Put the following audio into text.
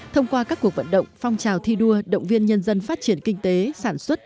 thông qua các cuộc vận động phong trào thi đua động viên nhân dân phát triển kinh tế sản xuất